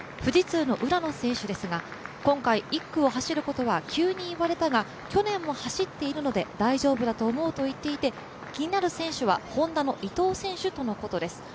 富士通の浦野選手ですが、今回１区を走ることは急に言われたが、去年も走っているので大丈夫だと思うと言っていて気になる選手はＨｏｎｄａの伊藤選手とのことです。